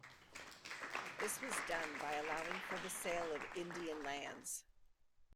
This was done by allowing for the sale of Indian lands.